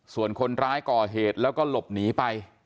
ส่วนคนร้ายก่อเหตุแล้วก็หลบหนีไป